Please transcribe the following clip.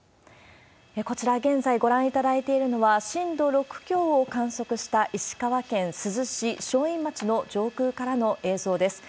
こちら、現在ご覧いただいているのは、震度６強を観測した石川県珠洲市正院町の上空からの映像です。